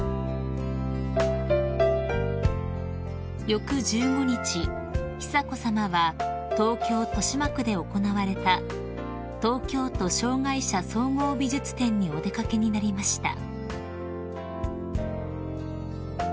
［翌１５日久子さまは東京豊島区で行われた東京都障害者総合美術展にお出掛けになりました］